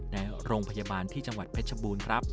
ในโรงพยาบาลที่จังหวัดเพชรบูรณ์ครับ